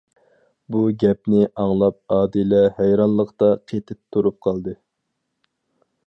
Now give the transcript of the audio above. بۇ گەپنى ئاڭلاپ ئادىلە ھەيرانلىقتا قېتىپ تۇرۇپ قالدى.